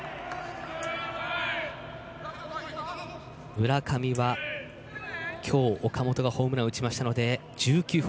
村上はきょう岡本がホームランを打ちましたので１９号。